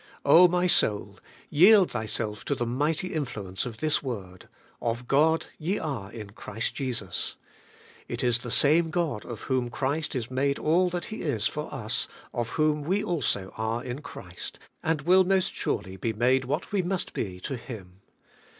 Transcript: my soul ! yield thyself to the mighty influence of this word: 'Of God ye are in Christ Jesus.' It is the same God of v^hom Christ is made all that He is for us, OF WHOM we also are in Christ, and will most surely be made what we must be to Him.